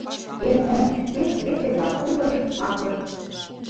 Эн ончыч тек весе-влак кутырышт, аклышт.